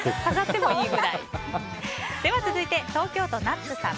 続いて、東京都の方。